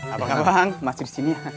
apa apa bang masih di sini ya